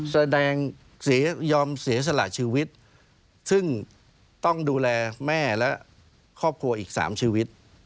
แสดงยอมเสียสละชีวิตซึ่งต้องดูแลแม่และครอบครัวอีก๓ชีวิต